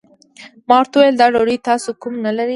ما ورته وويل دا ډوډۍ تاسو کوم نه لرئ؟